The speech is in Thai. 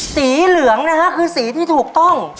สีเหลืองนะฮะคือสีที่ถูกต้อง